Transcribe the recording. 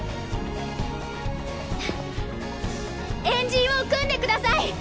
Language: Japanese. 円陣を組んでください！